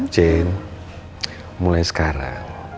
jen mulai sekarang